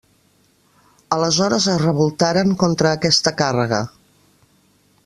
Aleshores es revoltaren contra aquesta càrrega.